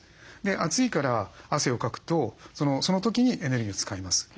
暑いから汗をかくとその時にエネルギーを使います。